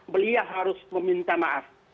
beliau harus meminta maaf